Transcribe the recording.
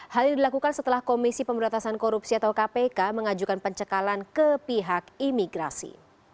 hal ini dilakukan setelah komisi pemberantasan korupsi atau kpk mengajukan pencekalan ke pihak imigrasi